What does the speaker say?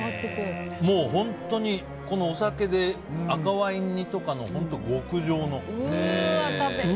もう本当に、このお酒で赤ワイン煮とかの極上の。